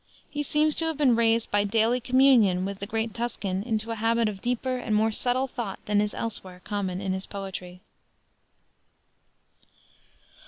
He seems to have been raised by daily communion with the great Tuscan into a habit of deeper and more subtle thought than is elsewhere common in his poetry.